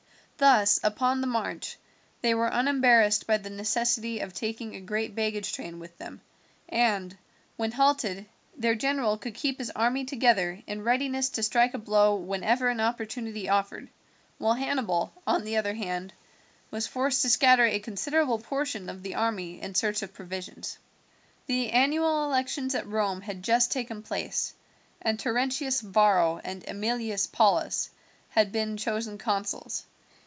Thus, upon the march, they were unembarrassed by the necessity of taking a great baggage train with them, and, when halted, their general could keep his army together in readiness to strike a blow whenever an opportunity offered; while Hannibal, on the other hand, was forced to scatter a considerable portion of the army in search of provisions. The annual elections at Rome had just taken place, and Terentius Varro and Emilius Paulus had been chosen consuls.